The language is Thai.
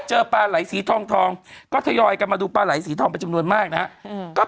ปลาไหลสีทองก็ทยอยกันมาดูปลาไหลสีทองเป็นจำนวนมากนะครับ